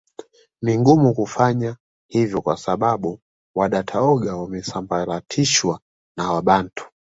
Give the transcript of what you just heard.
Ni ngumu kufanya hivyo kwa sababu Wadatooga wameshasambaratishwa na Wabantu